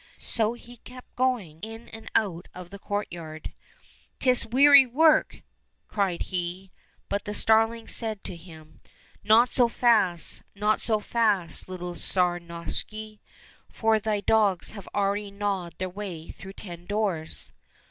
So he kept going in and out of the courtyard. " 'Tis weary work !" cried he ; but the starling said to him, " Not so fast, not so fast, little Tsar Novishny, for thy dogs have already gnawed their way through ten doors